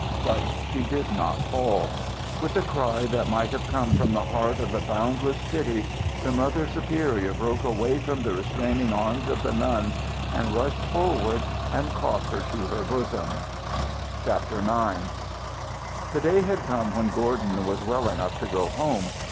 But she did not fall. With a cry that might have come from the heart of the boundless pity the Mother Superior broke away from the restraining arms of the nuns and rushed forward and caught her to her bosom. IX. The day had come when Gordon was well enough to go home.